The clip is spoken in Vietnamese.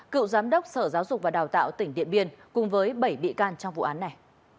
cựu giám đốc sở giáo dục và đào tạo tỉnh điện biên cùng với bảy bị can trong vụ án này